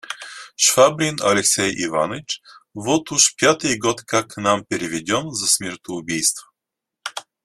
Швабрин Алексей Иваныч вот уж пятый год как к нам переведен за смертоубийство.